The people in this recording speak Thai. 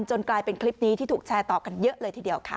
กลายเป็นคลิปนี้ที่ถูกแชร์ต่อกันเยอะเลยทีเดียวค่ะ